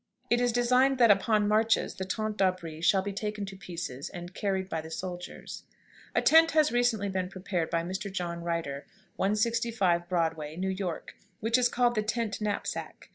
It is designed that upon marches the tente d'abri shall be taken to pieces and carried by the soldiers. A tent has recently been prepared by Mr. John Rider, 165 Broadway, New York, which is called the "tent knapsack."